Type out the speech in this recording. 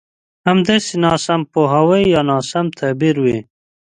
همداسې ناسم پوهاوی يا ناسم تعبير وي.